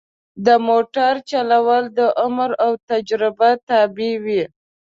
د موټر چلول د عمر او تجربه تابع وي.